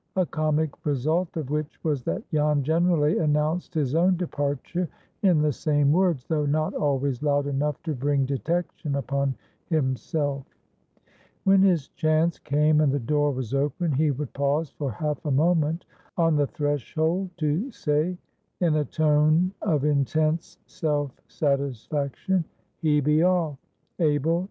A comic result of which was that Jan generally announced his own departure in the same words, though not always loud enough to bring detection upon himself. When his chance came and the door was open, he would pause for half a moment on the threshold to say, in a tone of intense self satisfaction, "He be off. Abel!